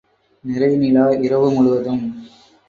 நிறைநிலா இரவு முழுவதும்!